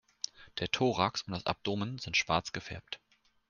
Der Thorax und das Abdomen sind schwarz gefärbt.